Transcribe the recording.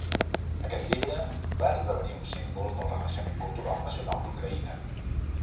Aquest llibre va esdevenir un símbol del renaixement cultural nacional d'Ucraïna.